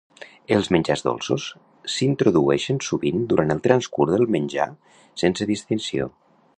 Els menjars dolços s'introdueixen sovint durant el transcurs del menjar sense distinció.